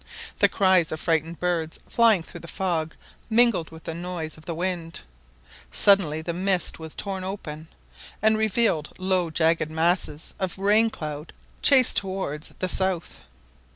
The cries of frightened birds flying through the fog mingled with the noise of the wind. Suddenly the mist was torn open, and revealed low jagged masses of rain cloud chased towards the south.